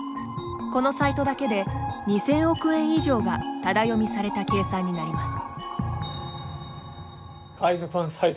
このサイトだけで２０００億円以上がタダ読みされた計算になります。